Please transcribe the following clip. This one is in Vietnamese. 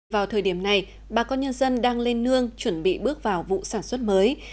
vào thời điểm này bà con nhân dân đang lên nương chuẩn bị bước vào vụ sản xuất mới